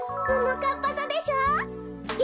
ももかっぱざでしょう？